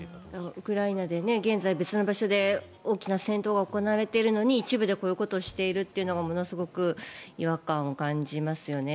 ウクライナで現在、別の場所で大きな戦闘が行われているのに一部でこういうことをしているというのがものすごく違和感を感じますよね。